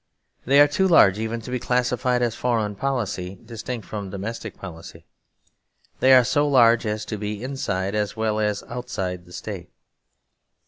They are too large even to be classified as foreign policy distinct from domestic policy. They are so large as to be inside as well as outside the state.